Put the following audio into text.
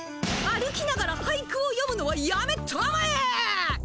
歩きながら俳句をよむのはやめたまえ！